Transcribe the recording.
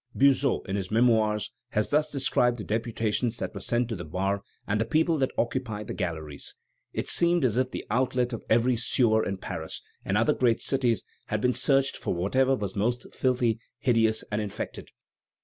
Buzot, in his Memoirs, has thus described the deputations that were sent to the bar, and the public that occupied the galleries: "It seemed as if the outlet of every sewer in Paris and other great cities had been searched for whatever was most filthy, hideous, and infected.